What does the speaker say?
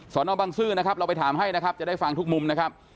นบังซื้อนะครับเราไปถามให้นะครับจะได้ฟังทุกมุมนะครับ